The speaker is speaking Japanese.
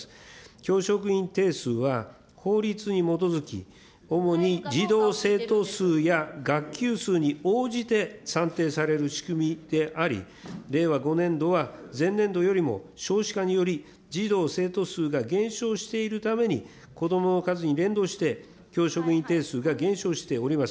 教職員定数は法律に基づき、主に児童・生徒数や学級数に応じて算定される仕組みであり、令和５年度は前年度よりも少子化により、児童・生徒数が減少しているために、こどもの数に連動して、教職員定数が減少しております。